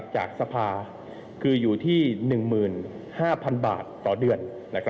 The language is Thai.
จากสภาคืออยู่ที่๑๕๐๐๐บาทต่อเดือน